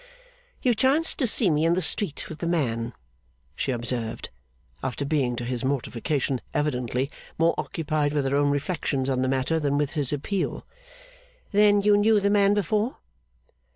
'You chanced to see me in the street with the man,' she observed, after being, to his mortification, evidently more occupied with her own reflections on the matter than with his appeal. 'Then you knew the man before?